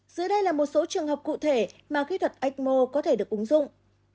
dưới đây là một số trường hợp cụ thể mà kỹ thuật ecmo có thể được ứng dụng